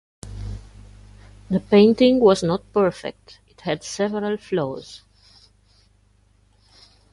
The painting was not perfect, it had several flaws.